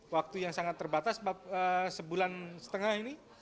waktu yang sangat terbatas sebulan setengah ini